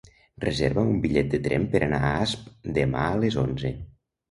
Reserva'm un bitllet de tren per anar a Asp demà a les onze.